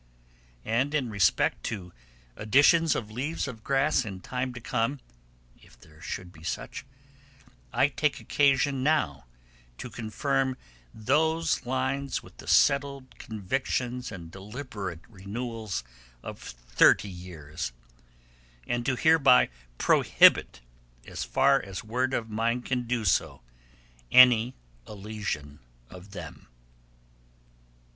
And in respect to editions of Leaves of Grass in time to come (if there should be such) I take occasion now to confirm those lines with the settled convictions and deliberate renewals of thirty years, and to hereby prohibit, as far as word of mine can do so, any elision of them.